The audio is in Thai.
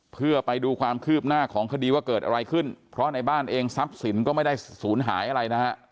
เพื่อไปดูความคืบหน้าของคดีว่าเกิดอะไรขึ้นเพราะในบ้านเองทรัพย์สินก็ไม่ได้ศูนย์หายอะไรนะฮะ